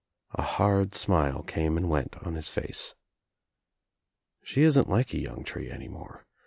A hard smile came and went on his face. "She isn't like a young tree any more.